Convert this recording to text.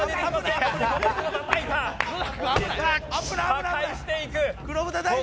破壊していく。